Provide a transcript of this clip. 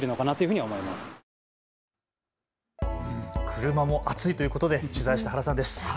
車も暑いということで取材した原さんです。